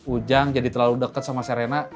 ujang jadi terlalu dekat sama serena